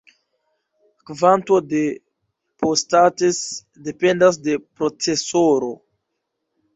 Kvanto de "P-States" dependas de procesoro.